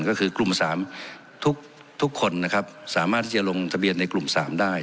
ก็คือกลุ่ม๓ทุกคนนะครับสามารถที่จะลงทะเบียนในกลุ่ม๓ได้